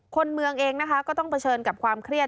คนเมืองเองนะคะก็ต้องเผชิญกับความเครียด